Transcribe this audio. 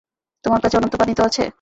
তোমার কাছে অনন্ত পানি তো আছে।